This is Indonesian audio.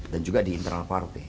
dan juga di internal partai